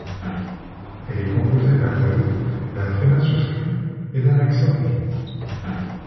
Elle est composée d’un E, d’un tréma souscrit et d’un accent aigu.